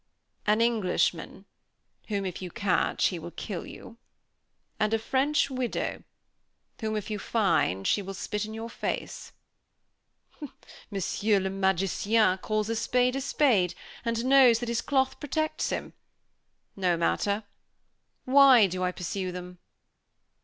"An Englishman, whom if you catch, he will kill you; and a French widow, whom if you find, she will spit in your face." "Monsieur le magicien calls a spade a spade, and knows that his cloth protects him. No matter! Why do I pursue them?"